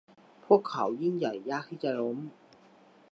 พวกเขายิ่งใหญ่ยากที่จะล้ม